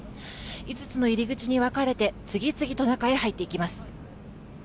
５つの入り口に分かれて次々と中へ入っていきます。